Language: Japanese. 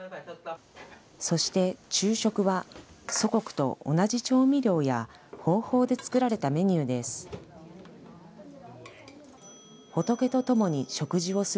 そして昼食は、祖国と同じ調味料や方法で作られたメニューです。